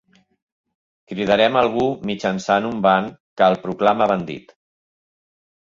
Cridarem algú mitjançant un ban que el proclama bandit.